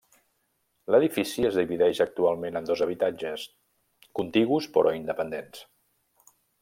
L'edifici es divideix actualment en dos habitatges, contigus però independents.